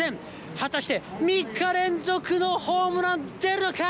果たして３日連続のホームラン出るのか？